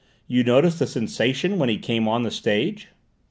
You noticed the sensation when he came on the stage?"